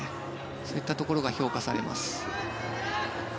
そういったところが評価されます。